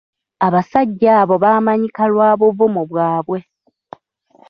Abasajja abo baamanyika lwa buvumu bwabwe.